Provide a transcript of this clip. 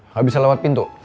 gak bisa lewat pintu